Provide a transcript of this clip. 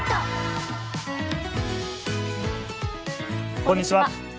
こんにちは。